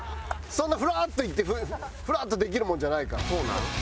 そんなふらっと行ってふらっとできるもんじゃないから。